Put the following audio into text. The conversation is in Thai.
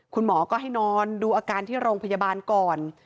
คุณหมอก็ให้นอนดูอาการที่โรงพยาบาลก่อน